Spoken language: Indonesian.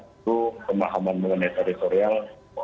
itu pemahaman mengenai teritorial